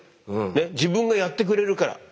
ね自分がやってくれるから。